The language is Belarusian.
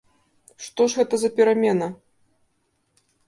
Што ж гэта за перамена?